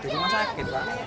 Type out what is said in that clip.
di rumah sakit pak